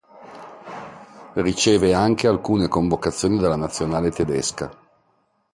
Riceve anche alcune convocazioni dalla nazionale tedesca.